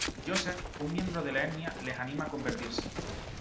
Joseph, un miembro de la etnia, les anima a convertirse.